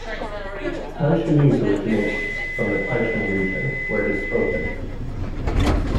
Taishanese originates from the Taishan region, where it is spoken.